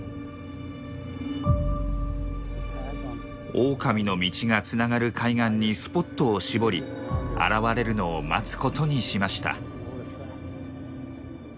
オオカミの道がつながる海岸にスポットを絞り現れるのを待つことにしました。